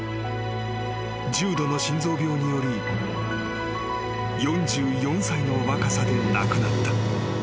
［重度の心臓病により４４歳の若さで亡くなった］